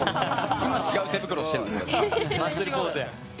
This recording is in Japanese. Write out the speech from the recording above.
今は違う手袋してますけどね。